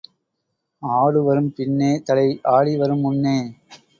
ஆடு வரும் பின்னே, தலை ஆடி வரும் முன்னே.